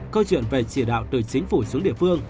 câu chuyện về chỉ đạo từ chính phủ xuống địa phương